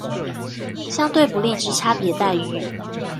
相對不利之差別待遇